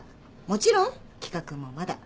もちろん企画もまだ。